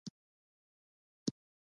هر څوک ځان د دین ویاند بولي.